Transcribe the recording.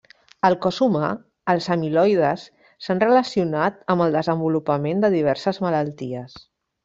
Al cos humà, els amiloides s’han relacionat amb el desenvolupament de diverses malalties.